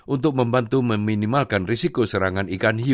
untuk membantu meminimalkan risiko serangan ikan hiu